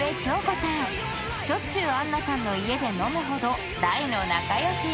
しょっちゅうアンナさんの家で飲むほど大の仲良し